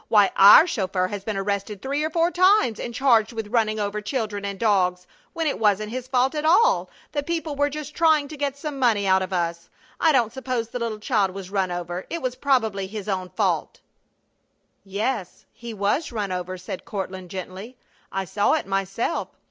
Why, our chauffeur has been arrested three or four times and charged with running over children and dogs, when it wasn't his fault at all; the people were just trying to get some money out of us! I don't suppose the little child was run over. It was probably his own fault." "Yes, he was run over," said Courtland, gently. "I saw it myself!